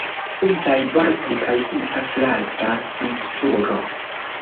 Simplaj vortoj kaj simpla fraza strukturo.